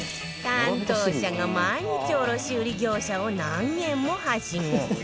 担当者が毎日卸売業者を何軒もはしご